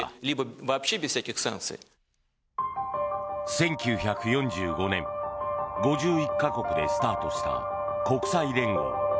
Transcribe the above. １９４５年、５１か国でスタートした国際連合。